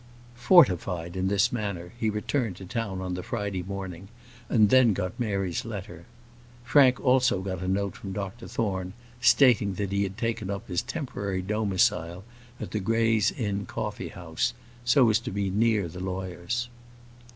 Fortified in this manner, he returned to town on the Friday morning, and then got Mary's letter. Frank also got a note from Dr Thorne, stating that he had taken up his temporary domicile at the Gray's Inn Coffee house, so as to be near the lawyers.